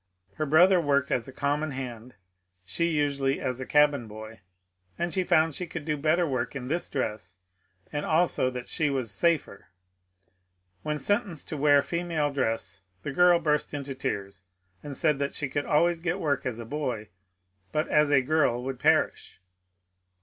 Her brother worked as a common hand, she usually as a cabin boy, and she found' she could do better work in this dress and also that she was* " safer." When sentenced to wear female dress the girl bursts into tears and said she could always get work as a boy, but as a girl would perish.